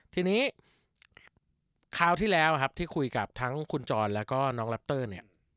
ที่นี้คราวที่แล้วที่คุยกับคุณจรแล้วก็น้องลัปเตอร์เนี่ย